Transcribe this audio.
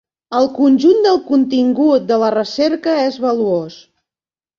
El conjunt del contingut de la recerca és valuós.